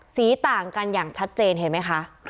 ต่างกันอย่างชัดเจนเห็นไหมคะ